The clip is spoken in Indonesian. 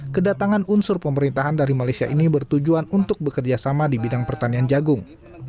kedatangan unsur pemerintahan dari malaysia ini bertujuan untuk bekerjasama di bidang pertanian jagung